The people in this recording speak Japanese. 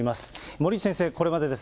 森内先生、これまでです。